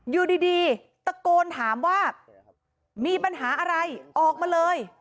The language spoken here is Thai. อยู่ดีตะโกนถามว่ามีปัญหาอะไรออกมาเลย